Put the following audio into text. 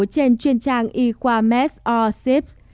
trên chuyên trang y khoa mes or sip